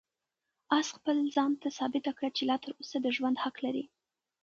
آس خپل ځان ته ثابته کړه چې لا تر اوسه د ژوند حق لري.